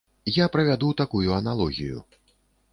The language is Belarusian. Я правяду такую аналогію.